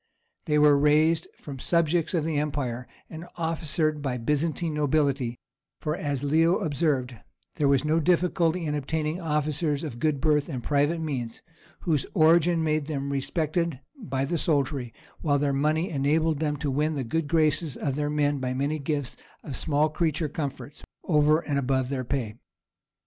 They were raised from subjects of the empire and officered by the Byzantine nobility, for as Leo observed, "There was no difficulty in obtaining officers of good birth and private means, whose origin made them respected by the soldiery, while their money enabled them to win the good graces of their men by many gifts of small creature comforts, over and above their pay."